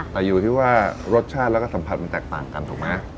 ขออยู่ที่ว่ารสชาติและสัมพันธ์มันแตกต่างกันถูกไหม